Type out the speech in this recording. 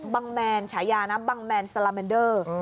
บังแมนฉายานะบังแมนสตราแมนเดอร์